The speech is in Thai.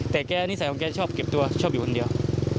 แต่แกนิสัยของแกชอบเก็บตัวชอบอยู่คนเดียว